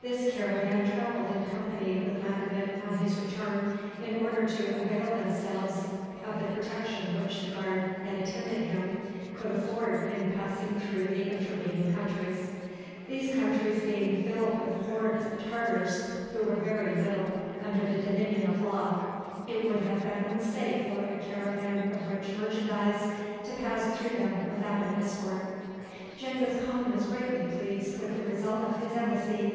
This caravan traveled in company with Makinut on his return, in order to avail themselves of the protection which the guard that attended him could afford in passing through the intervening countries. These countries being filled with hordes of Tartars, who were very little under the dominion of law, it would have been unsafe for a caravan of rich merchandise to pass through them without an escort. Genghis Khan was greatly pleased with the result of his embassy.